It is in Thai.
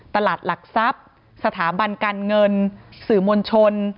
หลักทรัพย์สถาบันการเงินสื่อมวลชน